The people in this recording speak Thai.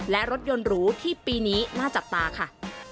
และรถยนต์หรูที่ปีนี้น่าจับตาค่ะ